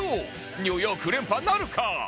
ニューヨーク連覇なるか？